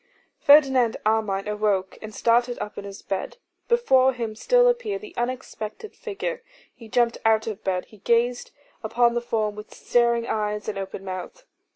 Ferdinand Armine awoke and started up in his bed. Before him still appeared the unexpected figure. He jumped out of bed, he gazed upon the form with staring eyes and open mouth.